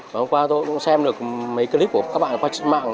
và hôm qua tôi cũng xem được mấy clip của các bạn qua trên mạng